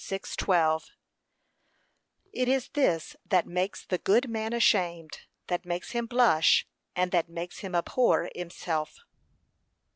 6:12) It is this that makes the good man ashamed, that makes him blush, and that makes him abhor himself.